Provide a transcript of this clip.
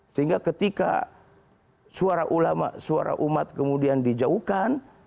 sehingga ketika suara ulama suara umat kemudian dijauhkan